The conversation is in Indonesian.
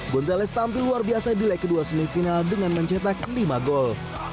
gonzalez tampil luar biasa di leg kedua semifinal dengan mencetak lima gol